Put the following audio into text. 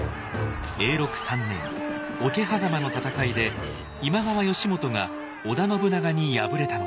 永禄３年桶狭間の戦いで今川義元が織田信長に敗れたのです。